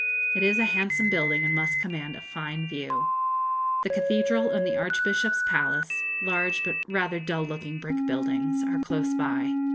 It is a handsome building, and must command a fine view. The cathedral and the archbishop's palace, large but rather dull looking brick buildings, are close by.